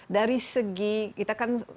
dari segi kita kan